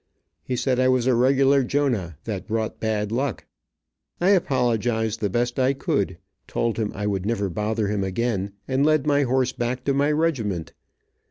He said I was a regular Jonah, that brought bad luck. I apologized the best I could, told him I would never bother him again, and led my horse back to my regiment.